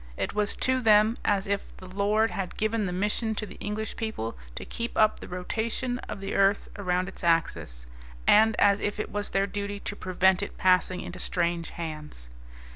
It was to them as if the Lord had given the mission to the English people to keep up the rotation of the earth around its axis, and as if it was their duty to prevent it passing into strange hands.